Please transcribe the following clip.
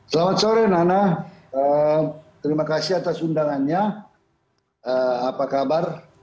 selamat sore nana terima kasih atas undangannya apa kabar